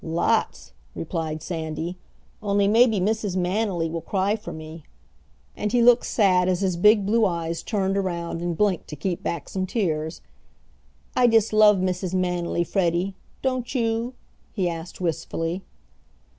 "Lots," replied Sandy, "only maybe Mrs. Manily will cry for me," and he looked sad as his big blue eyes turned around and blinked to keep back some tears. "I dust love Mrs. Manily, Freddie; don't you?" he asked wistfully.